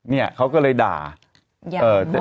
เนี่ยเขาก็เลยด่า